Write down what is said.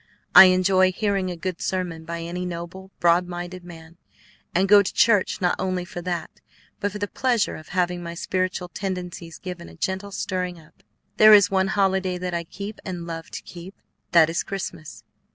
I enjoy hearing a good sermon by any noble, broad minded man, and go to church not only for that, but for the pleasure of having my spiritual tendencies given a gentle stirring up. There is one holiday that I keep and love to keep; that is Christmas."